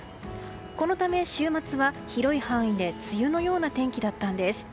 このため週末は、広い範囲で梅雨のような天気だったんです。